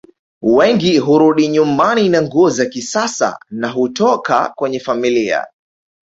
Wengi hurudi nyumbani na nguo za kisasa na hutoka kwenye familia